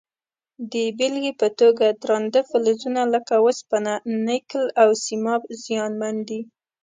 د بیلګې په توګه درانده فلزونه لکه وسپنه، نکل او سیماب زیانمن دي.